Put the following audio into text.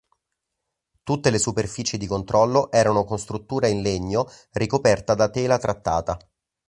Tutte le superfici di controllo erano con struttura in legno ricoperta da tela trattata.